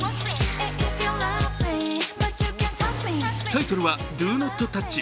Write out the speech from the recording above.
タイトルは「Ｄｏｎｏｔｔｏｕｃｈ」。